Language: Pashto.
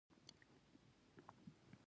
ښه خبر نه و، حقیقي پېغلې، که جګړه نه وای.